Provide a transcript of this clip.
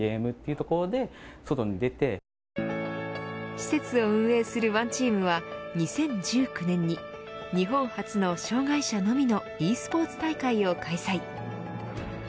施設を運営するワンチームは２０１９年に日本初の障害者のみのｅスポーツ大会を開催。